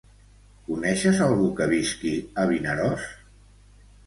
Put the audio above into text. Coneixes algú que visqui a Vinaròs?